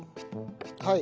はい。